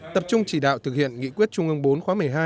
tập trung chỉ đạo thực hiện nghị quyết trung ương bốn khóa một mươi hai